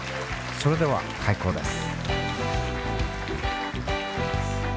それでは開講です